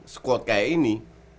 squad kayak ini